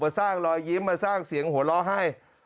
สร้างรอยยิ้มมาสร้างเสียงหัวเราะให้